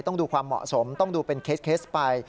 ต้องดูความเหมาะสมต้องดูเป็นเคสไป